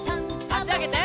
あしあげて。